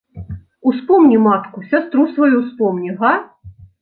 Успомні матку, сястру сваю ўспомні, га!